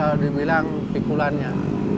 saya kalau dibilang pikulannya